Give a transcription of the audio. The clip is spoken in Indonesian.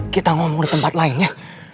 kita ngomong di tempat lain ya